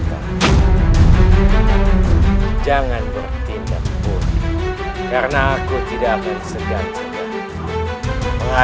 kau ingin aku melepaskan keponakan keluarga dana